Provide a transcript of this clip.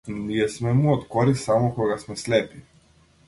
Ние сме му од корист само кога сме слепи.